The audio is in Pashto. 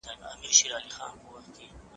ورزش د بدن او روان دواړو لپاره اړین دی.